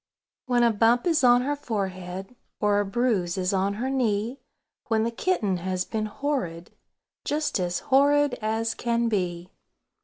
When a bump is on her forehead, Or a bruise is on her knee; When the kitten has been horrid, "Just as horrid as can be!"